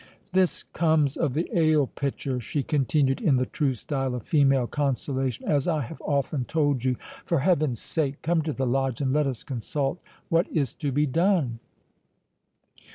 "This comes of the ale pitcher," she continued, in the true style of female consolation, "as I have often told you—For Heaven's sake, come to the Lodge, and let us consult what is to be done."